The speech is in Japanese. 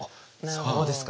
そうですか。